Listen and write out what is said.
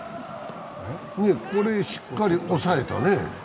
これ、しっかり抑えたね。